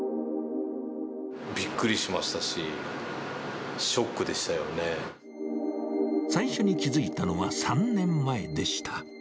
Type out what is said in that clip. びっくりしましたし、ショッ最初に気付いたのは３年前でした。